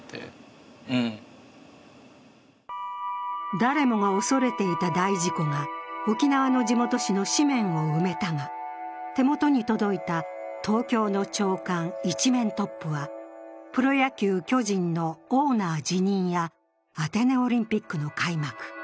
誰もが恐れていた大事故が沖縄の地元紙の紙面を埋めたが手元に届いた東京の朝刊１面トップはプロ野球・巨人のオーナー辞任やアテネオリンピックの開幕。